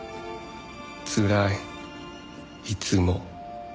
「つらいいつも」